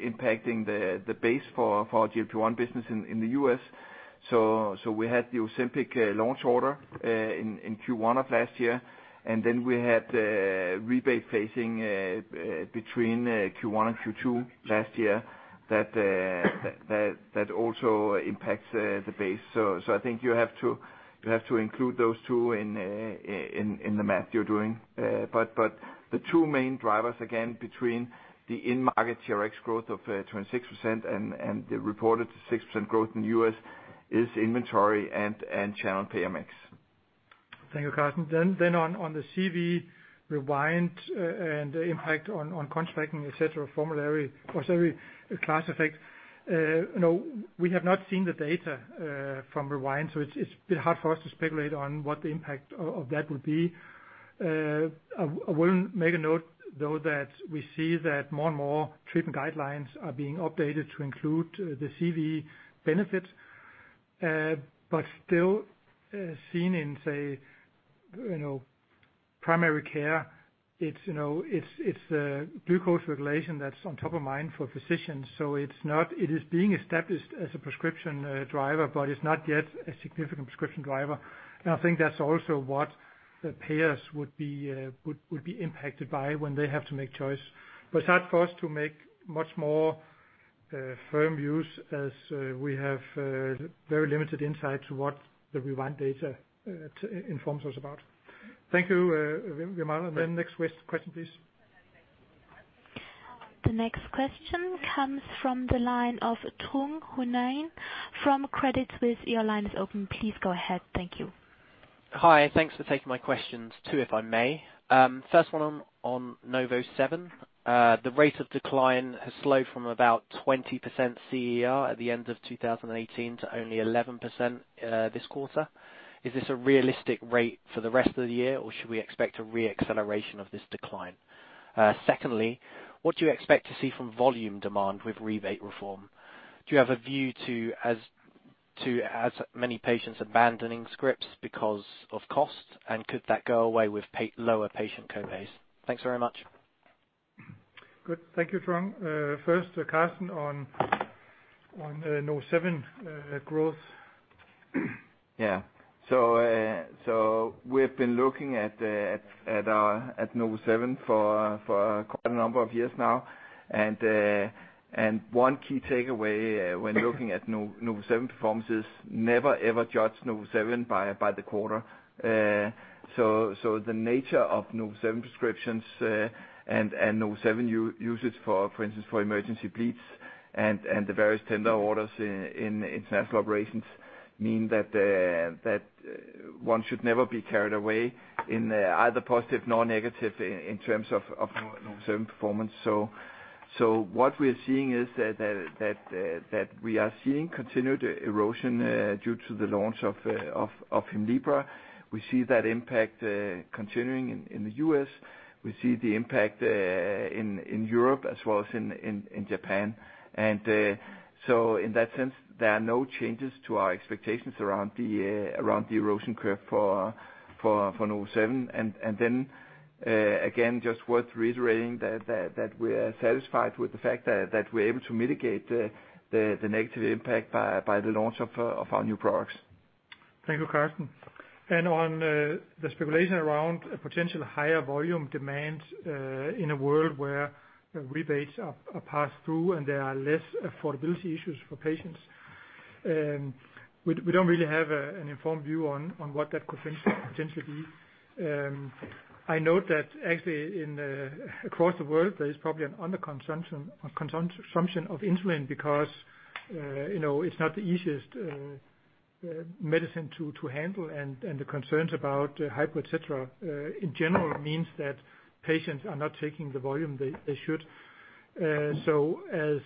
impacting the base for our GLP-1 business in the U.S. We had the Ozempic launch order in Q1 of last year, and we had rebate phasing between Q1 and Q2 last year that also impacts the base. I think you have to include those two in the math you're doing. The two main drivers, again, between the in-market TRX growth of 26% and the reported 6% growth in the U.S. is inventory and channel payer mix. Thank you, Karsten. On the CV REWIND and the impact on contracting, etc., formulary class effect, we have not seen the data from REWIND, it's a bit hard for us to speculate on what the impact of that would be. I will make a note, though, that we see that more and more treatment guidelines are being updated to include the CV benefits. Still seen in, say, primary care, it's glucose regulation that's on top of mind for physicians. It is being established as a prescription driver, it's not yet a significant prescription driver. I think that's also what the payers would be impacted by when they have to make choice. It's hard for us to make much more firm views as we have very limited insight to what the REWIND data informs us about. Thank you, Wimal. Next question, please. The next question comes from the line of Trung Ho Nguyen from Credit Suisse. Your line is open. Please go ahead. Thank you. Hi, thanks for taking my questions, two, if I may. First one on NovoSeven. The rate of decline has slowed from about 20% CER at the end of 2018 to only 11% this quarter. Is this a realistic rate for the rest of the year, or should we expect a re-acceleration of this decline? Secondly, what do you expect to see from volume demand with rebate reform? Do you have a view to as many patients abandoning scripts because of cost? Could that go away with lower patient co-pays? Thanks very much. Good. Thank you, Trung. First, Karsten on NovoSeven growth. Yeah. We've been looking at NovoSeven for quite a number of years now, one key takeaway when looking at NovoSeven performance is never ever judge NovoSeven by the quarter. The nature of NovoSeven prescriptions, and NovoSeven usage, for instance, for emergency bleeds and the various tender orders in International Operations mean that one should never be carried away in either positive nor negative in terms of NovoSeven performance. What we are seeing is that we are seeing continued erosion due to the launch of Hemlibra. We see that impact continuing in the U.S. We see the impact in Europe as well as in Japan. In that sense, there are no changes to our expectations around the erosion curve for NovoSeven. Just worth reiterating that we are satisfied with the fact that we are able to mitigate the negative impact by the launch of our new products. Thank you, Karsten. On the speculation around potential higher volume demand in a world where rebates are passed through and there are less affordability issues for patients. We don't really have an informed view on what that could potentially be. I note that actually across the world, there is probably an under consumption of insulin because it's not the easiest medicine to handle, and the concerns about hyper, et cetera, in general means that patients are not taking the volume they should. As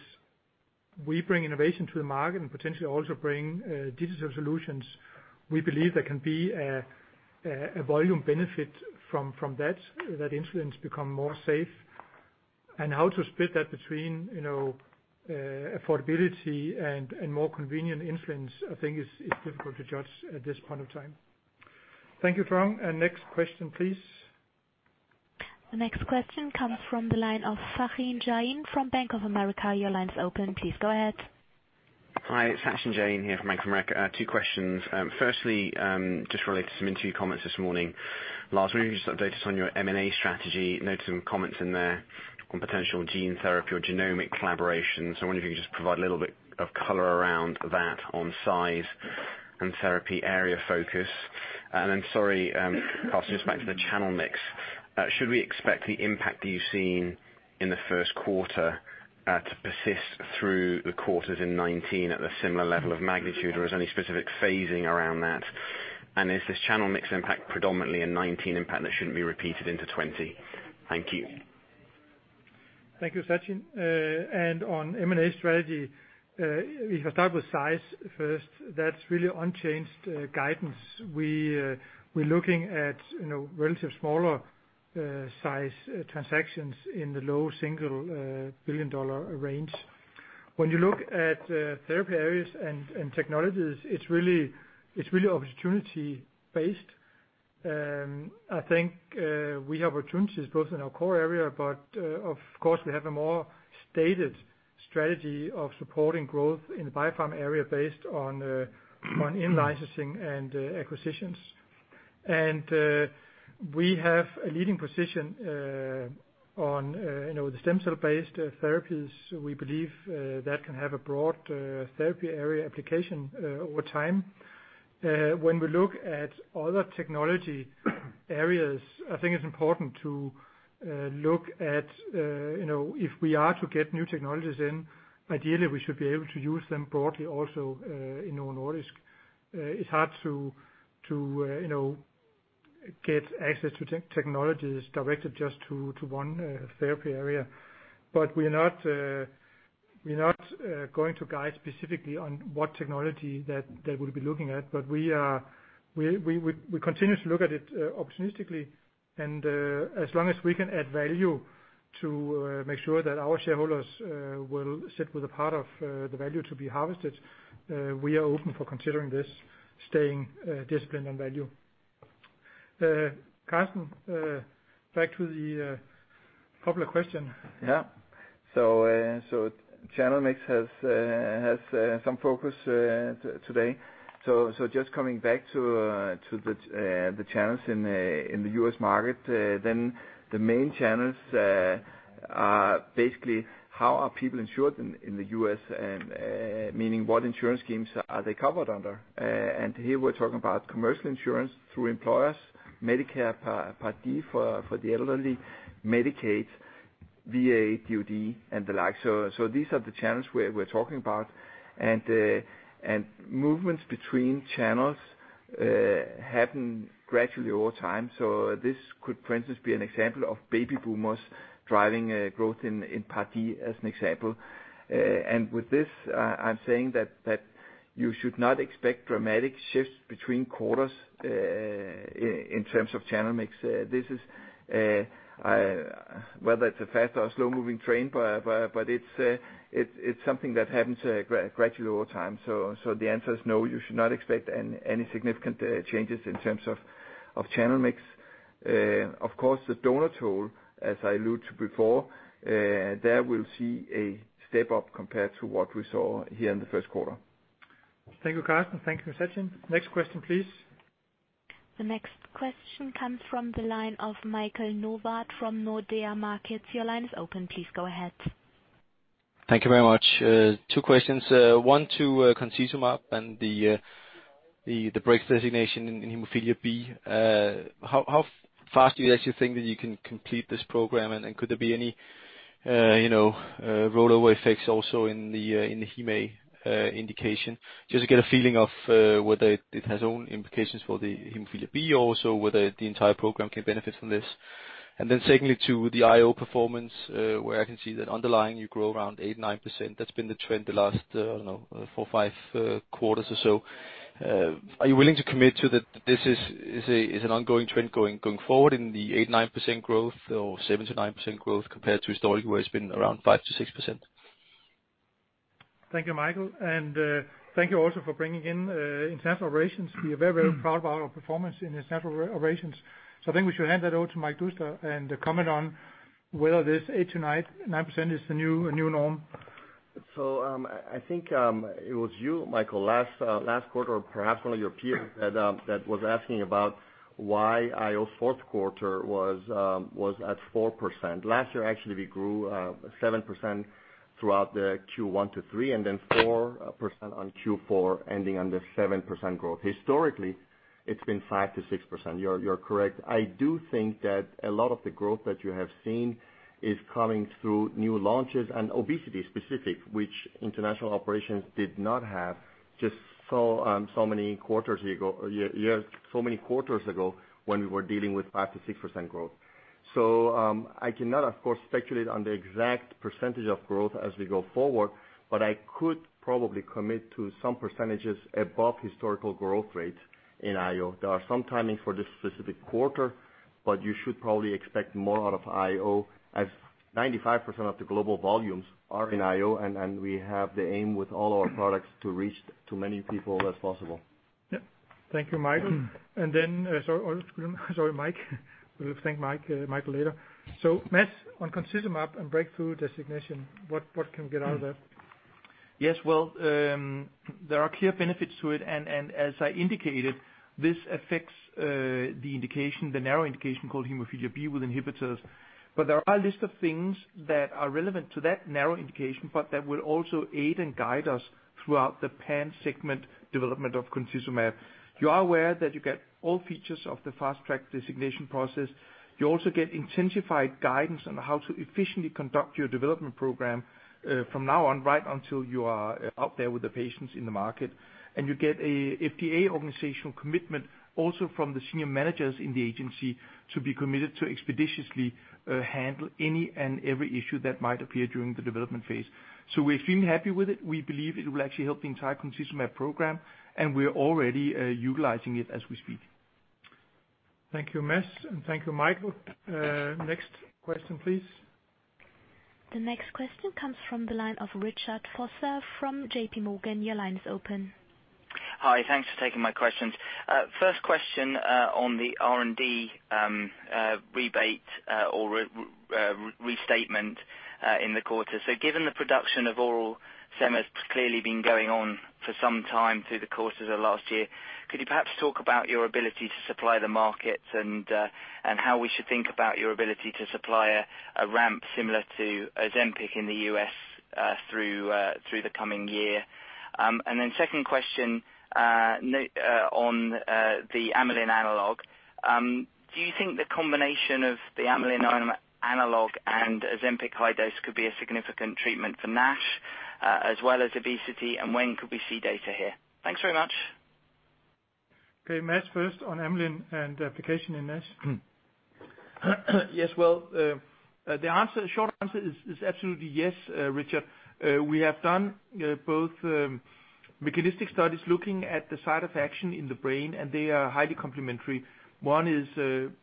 we bring innovation to the market and potentially also bring digital solutions, we believe there can be a volume benefit from that insulins become more safe. How to split that between affordability and more convenient insulins, I think is difficult to judge at this point in time. Thank you, Trung. Next question, please. The next question comes from the line of Sachin Jain from Bank of America. Your line's open. Please go ahead. Hi, it's Sachin Jain here from Bank of America. Two questions. Firstly, just related to some interview comments this morning. Lars, maybe you can just update us on your M&A strategy, noted some comments in there on potential gene therapy or genomic collaboration. I wonder if you could just provide a little bit of color around that on size and therapy area focus. Sorry, Karsten, just back to the channel mix. Should we expect the impact that you've seen in the first quarter to persist through the quarters in 2019 at a similar level of magnitude, or is there any specific phasing around that? Is this channel mix impact predominantly a 2019 impact that shouldn't be repeated into 2020? Thank you. Thank you, Sachin. On M&A strategy, if I start with size first, that's really unchanged guidance. We're looking at relative smaller size transactions in the low single billion-dollar range. When you look at therapy areas and technologies, it's really opportunity based. I think we have opportunities both in our core area, but of course we have a more stated strategy of supporting growth in the biopharm area based on in-licensing and acquisitions. We have a leading position on the stem cell-based therapies. We believe that can have a broad therapy area application over time. When we look at other technology areas, I think it's important to look at if we are to get new technologies in, ideally we should be able to use them broadly also in Novo Nordisk. It's hard to get access to technologies directed just to one therapy area. We are not going to guide specifically on what technology that we'll be looking at. We continue to look at it opportunistically and, as long as we can add value to make sure that our shareholders will sit with a part of the value to be harvested, we are open for considering this, staying disciplined on value. Karsten, back to the popular question. Yeah. Channel mix has some focus today. Just coming back to the channels in the U.S. market, then the main channels are basically how are people insured in the U.S., meaning what insurance schemes are they covered under? Here we're talking about commercial insurance through employer- Medicare Part D for the elderly, Medicaid, VA, DOD, and the like. These are the channels we're talking about, and movements between channels happen gradually over time. This could, for instance, be an example of baby boomers driving growth in Part D, as an example. With this, I'm saying that you should not expect dramatic shifts between quarters in terms of channel mix. Whether it's a fast or slow-moving train, but it's something that happens gradually over time. The answer is no, you should not expect any significant changes in terms of channel mix. Of course, the donut hole, as I alluded to before, there we'll see a step-up compared to what we saw here in the first quarter. Thank you, Karsten. Thank you, Sachin. Next question, please. The next question comes from the line of Michael Novod from Nordea Markets. Your line is open. Please go ahead. Thank you very much. Two questions. One to concizumab and the Breakthrough Designation in hemophilia B. How fast do you actually think that you can complete this program, and could there be any rollover effects also in the heme indication? Just to get a feeling of whether it has its own implications for the hemophilia B, or also whether the entire program can benefit from this. Then secondly, to the IO performance, where I can see that underlying you grow around eight%, nine%. That's been the trend the last, I don't know, four or five quarters or so. Are you willing to commit to that this is an ongoing trend going forward in the eight%, nine% growth, or seven percent to nine percent growth compared to historically, where it's been around five percent to six percent? Thank you, Michael. Thank you also for bringing in International Operations. We are very proud of our performance in International Operations. I think we should hand that over to Mike Doustdar and comment on whether this eight percent to nine percent is the new norm. I think it was you, Michael, last quarter, or perhaps one of your peers that was asking about why IO's fourth quarter was at 4%. Last year, actually, we grew 7% throughout the Q one to three, and then 4% on Q4, ending on the 7% growth. Historically, it's been 5%-6%. You're correct. I do think that a lot of the growth that you have seen is coming through new launches and obesity specific, which International Operations did not have just so many quarters ago when we were dealing with 5%-6% growth. I cannot, of course, speculate on the exact percentage of growth as we go forward, but I could probably commit to some percentages above historical growth rate in IO. There are some timing for this specific quarter, but you should probably expect more out of IO, as 95% of the global volumes are in IO, and we have the aim with all our products to reach to many people as possible. Yep. Thank you, Michael. Sorry, Mike. We will thank Michael later. Mads, on concizumab and Breakthrough Designation, what can we get out of that? Yes. Well, there are clear benefits to it, as I indicated, this affects the narrow indication called hemophilia B with inhibitors. There are a list of things that are relevant to that narrow indication, that will also aid and guide us throughout the pan segment development of concizumab. You are aware that you get all features of the Fast Track Designation process. You also get intensified guidance on how to efficiently conduct your development program from now on, right until you are out there with the patients in the market. You get a FDA organizational commitment, also from the senior managers in the agency, to be committed to expeditiously handle any and every issue that might appear during the development phase. We're extremely happy with it. We believe it will actually help the entire concizumab program, and we're already utilizing it as we speak. Thank you, Mads, and thank you, Michael. Next question, please. The next question comes from the line of Richard Vosser from JP Morgan. Your line is open. Hi. Thanks for taking my questions. First question on the R&D rebate or restatement in the quarter. Given the production of oral semas has clearly been going on for some time through the course of the last year, could you perhaps talk about your ability to supply the markets and how we should think about your ability to supply a ramp similar to Ozempic in the U.S. through the coming year? Second question on the amylin analog. Do you think the combination of the amylin analog and Ozempic high dose could be a significant treatment for NASH as well as obesity, and when could we see data here? Thanks very much. Okay. Mads first on amylin and application in NASH. Yes. Well, the short answer is absolutely yes, Richard. We have done both mechanistic studies looking at the site of action in the brain, and they are highly complementary. One is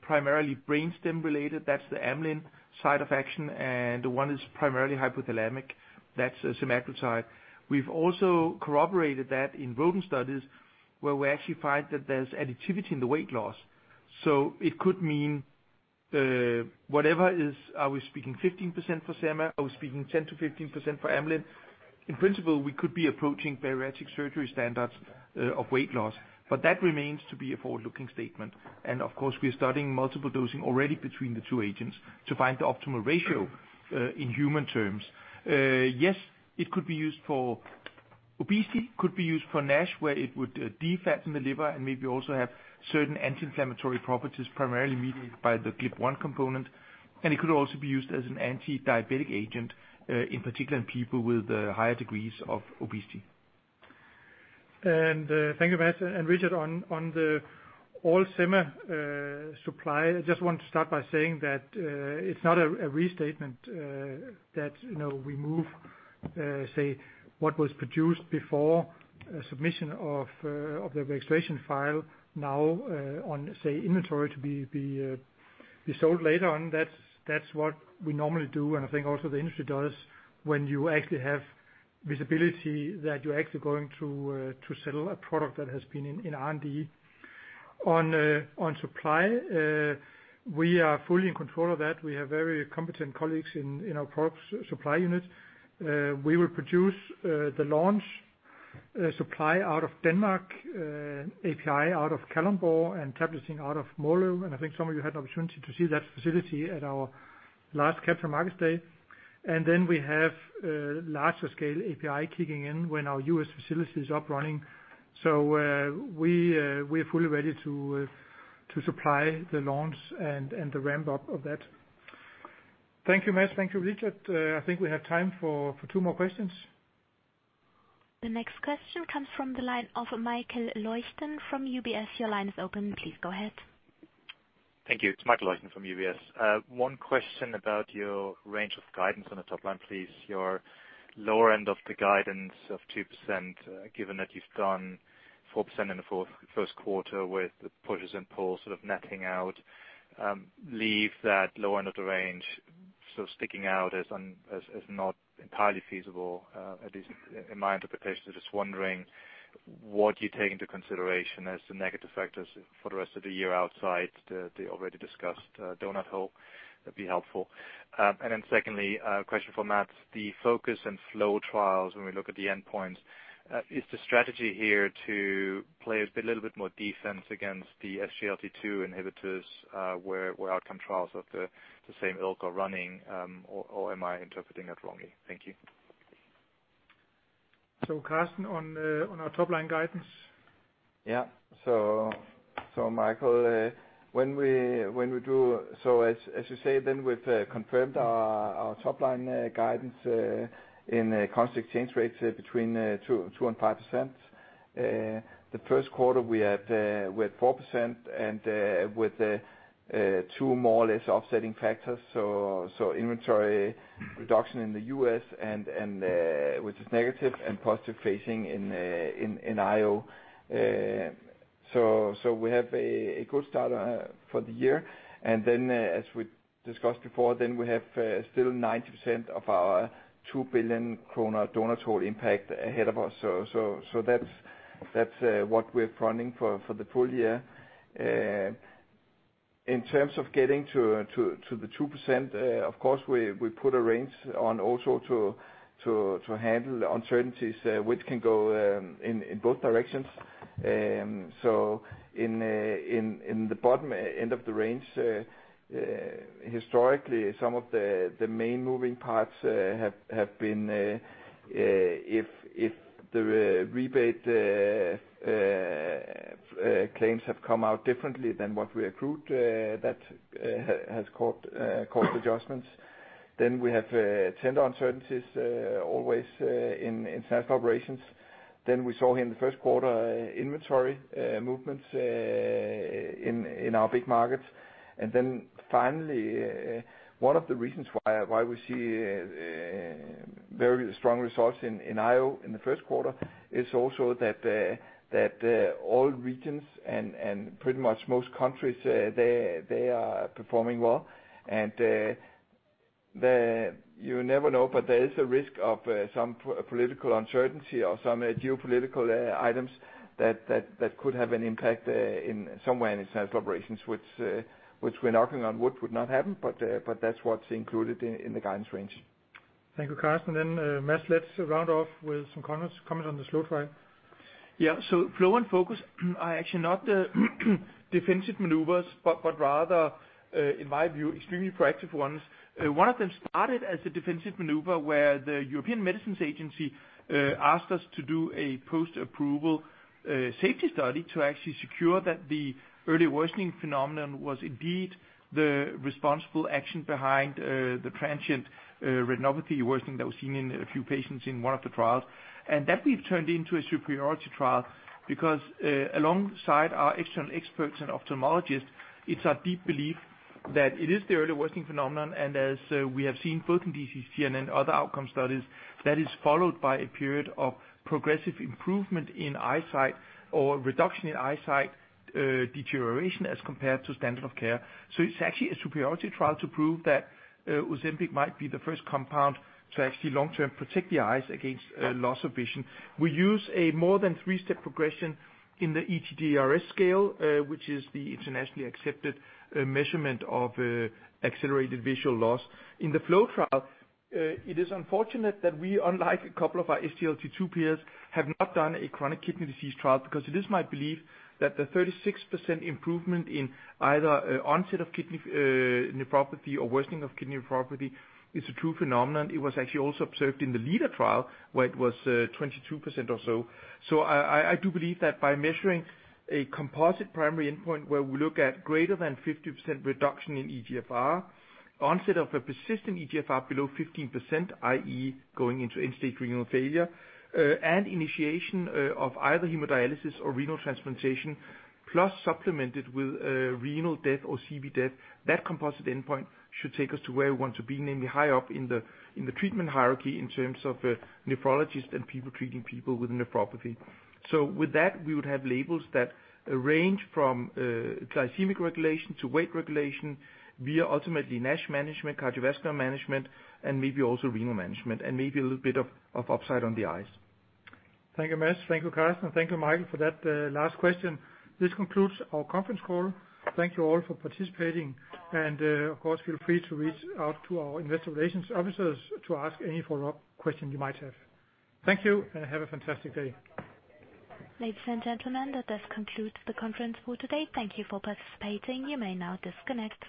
primarily brainstem-related. That's the amylin side of action, and one is primarily hypothalamic. That's semaglutide. We've also corroborated that in rodent studies, where we actually find that there's additivity in the weight loss. It could mean whatever is. Are we speaking 15% for Sema? Are we speaking 10%-15% for amylin? In principle, we could be approaching bariatric surgery standards of weight loss, but that remains to be a forward-looking statement. Of course, we're studying multiple dosing already between the two agents to find the optimal ratio in human terms. Yes, it could be used for obesity, could be used for NASH, where it would de-fatten the liver and maybe also have certain anti-inflammatory properties, primarily mediated by the GLP-1 component. It could also be used as an anti-diabetic agent, in particular in people with higher degrees of obesity. Thank you, Mads. Richard, on the oral semaglutide supply, I just want to start by saying that it's not a restatement that we move, say, what was produced before submission of the registration file now on, say, inventory to be sold later on. That's what we normally do, and I think also the industry does, when you actually have visibility that you're actually going to sell a product that has been in R&D. On supply, we are fully in control of that. We have very competent colleagues in our products supply unit. We will produce the launch supply out of Denmark, API out of Kalundborg, and tableting out of Måløv. I think some of you had an opportunity to see that facility at our last Capital Markets Day. Then we have larger scale API kicking in when our U.S. facility is up running. We are fully ready to supply the launch and the ramp-up of that. Thank you, Mads. Thank you, Richard. I think we have time for two more questions. The next question comes from the line of Michael Leuchten from UBS. Your line is open. Please go ahead. Thank you. It's Michael Leuchten from UBS. One question about your range of guidance on the top line, please. Your lower end of the guidance of 2%, given that you've done 4% in the first quarter with the pushes and pulls sort of netting out, leave that lower end of the range sort of sticking out as not entirely feasible, at least in my interpretation. Just wondering what you take into consideration as the negative factors for the rest of the year outside the already discussed donut hole. That'd be helpful. Secondly, a question for Mads. The FOCUS and FLOW trials, when we look at the endpoints, is the strategy here to play a little bit more defense against the SGLT2 inhibitors, where outcome trials of the same ilk are running, or am I interpreting that wrongly? Thank you. Karsten, on our top-line guidance. Michael, as you say then, we've confirmed our top-line guidance in a constant exchange rate between 2% and 5%. The first quarter we're at 4% and with two more or less offsetting factors, inventory reduction in the U.S., which is negative, and positive facing in IO. We have a good start for the year. As we discussed before, then we have still 90% of our 2 billion kroner donut hole impact ahead of us. That's what we're fronting for the full year. In terms of getting to the 2%, of course, we put a range on also to handle the uncertainties, which can go in both directions. In the bottom end of the range, historically, some of the main moving parts have been if the rebate claims have come out differently than what we accrued, that has caused adjustments. We have tender uncertainties always in International Operations. We saw in the first quarter inventory movements in our big markets. Finally, one of the reasons why we see very strong results in IO in the first quarter is also that all regions and pretty much most countries, they are performing well. You never know, but there is a risk of some political uncertainty or some geopolitical items that could have an impact somewhere in International Operations, which we're knocking on wood would not happen, but that's what's included in the guidance range. Thank you, Karsten. Mads, let's round off with some comments on the FLOW trial. FLOW and FOCUS are actually not defensive maneuvers, but rather, in my view, extremely proactive ones. One of them started as a defensive maneuver where the European Medicines Agency asked us to do a post-approval safety study to actually secure that the early worsening phenomenon was indeed the responsible action behind the transient retinopathy worsening that was seen in a few patients in one of the trials. That we've turned into a superiority trial because alongside our external experts and ophthalmologists, it's our deep belief that it is the early worsening phenomenon, and as we have seen both in DCCT and in other outcome studies, that is followed by a period of progressive improvement in eyesight or reduction in eyesight deterioration as compared to standard of care. It's actually a superiority trial to prove that Ozempic might be the first compound to actually long-term protect the eyes against loss of vision. We use a more than three-step progression in the ETDRS scale, which is the internationally accepted measurement of accelerated visual loss. In the FLOW trial, it is unfortunate that we, unlike a couple of our SGLT2 peers, have not done a chronic kidney disease trial because it is my belief that the 36% improvement in either onset of kidney nephropathy or worsening of kidney nephropathy is a true phenomenon. It was actually also observed in the LEADER trial where it was 22% or so. I do believe that by measuring a composite primary endpoint where we look at greater than 50% reduction in eGFR, onset of a persistent eGFR below 15%, i.e., going into end-stage renal failure, and initiation of either hemodialysis or renal transplantation, plus supplemented with renal death or CV death, that composite endpoint should take us to where we want to be, namely high up in the treatment hierarchy in terms of nephrologists and people treating people with nephropathy. With that, we would have labels that range from glycemic regulation to weight regulation via ultimately NASH management, cardiovascular management, and maybe also renal management, and maybe a little bit of upside on the eyes. Thank you, Mads. Thank you, Karsten. Thank you, Michael, for that last question. This concludes our conference call. Thank you all for participating, and of course, feel free to reach out to our investor relations officers to ask any follow-up questions you might have. Thank you, and have a fantastic day. Ladies and gentlemen, that does conclude the conference call today. Thank you for participating. You may now disconnect.